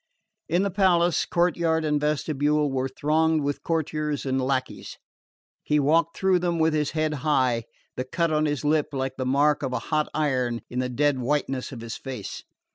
In the palace, courtyard and vestibule were thronged with courtiers and lacqueys. He walked through them with his head high, the cut on his lip like the mark of a hot iron in the dead whiteness of his face.